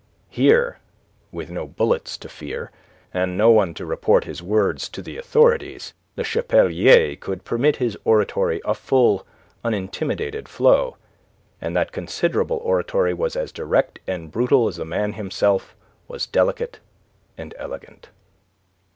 Here, with no bullets to fear, and no one to report his words to the authorities, Le Chapelier could permit his oratory a full, unintimidated flow. And that considerable oratory was as direct and brutal as the man himself was delicate and elegant.